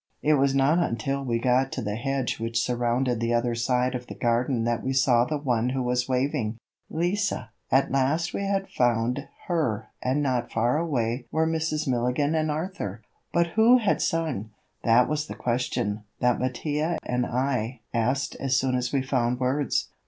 It was not until we got to the hedge which surrounded the other side of the garden that we saw the one who was waving. Lise! At last we had found her and not far away were Mrs. Milligan and Arthur! But who had sung? That was the question that Mattia and I asked as soon as we found words.